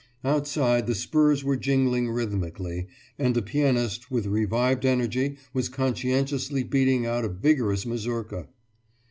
Outside the spurs were jingling rhythmically, and the pianist with revived energy was conscientiously beating out a vigorous mazurka.